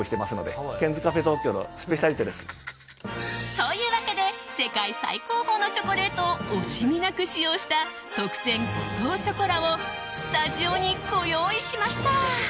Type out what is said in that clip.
というわけで世界最高峰のチョコレートを惜しみなく使用した特撰ガトーショコラをスタジオにご用意しました。